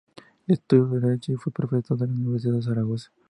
Estudió Derecho y fue profesor en la Universidad de Zaragoza.